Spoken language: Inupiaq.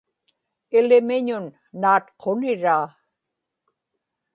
ilimiñun naatquniraa